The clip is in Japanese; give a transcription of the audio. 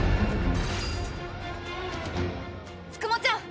九十九ちゃん！